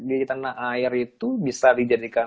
di tanah air itu bisa dijadikan